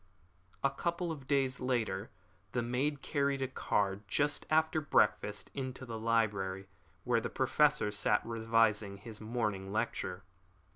A couple of days later the maid carried a card just after breakfast into the library where the Professor sat revising his morning lecture.